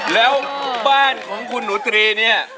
แล้วบ้านของคุณหนูตรีเนี่ย